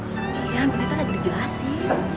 setiaan beneran lagi dijelasin